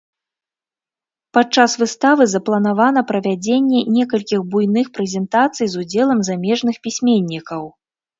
Падчас выставы запланавана правядзенне некалькіх буйных прэзентацый з удзелам замежных пісьменнікаў.